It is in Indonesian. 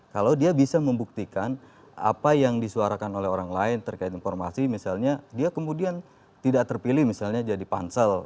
kalau dia bisa membuktikan apa yang disuarakan oleh orang lain terkait informasi misalnya dia kemudian tidak terpilih misalnya jadi pansel